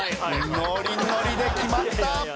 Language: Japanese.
ノリノリで決まった！